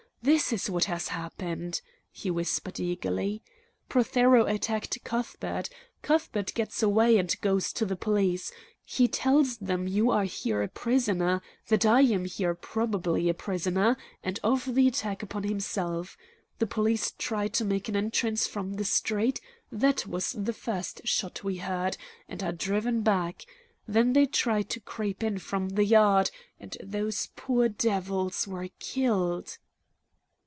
This is what has happened," he whispered eagerly: "Prothero attacked Cuthbert. Cuthbert gets away and goes to the police. He tells them you are here a prisoner, that I am here probably a prisoner, and of the attack upon himself. The police try to make an entrance from the street that was the first shot we heard and are driven back; then they try to creep in from the yard, and those poor devils were killed."